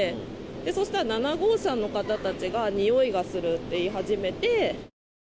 そしたら７号車の方たちがにおいがするって言い始めて。